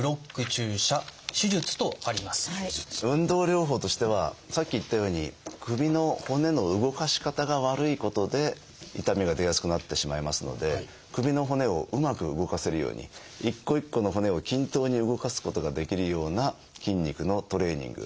運動療法としてはさっき言ったように首の骨の動かし方が悪いことで痛みが出やすくなってしまいますので首の骨をうまく動かせるように一個一個の骨を均等に動かすことができるような筋肉のトレーニング。